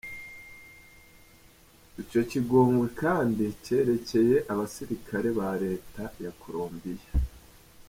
Ico kigongwe kandi cerekeye abasirikare ba reta ya Colombia.